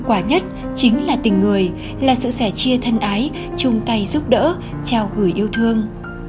quả nhất chính là tình người là sự sẻ chia thân ái chung tay giúp đỡ trao gửi yêu thương